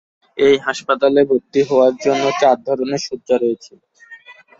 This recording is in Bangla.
এই হাসপাতালে ভর্তি হওয়ার জন্য চার ধরনের শয্যা রয়েছে।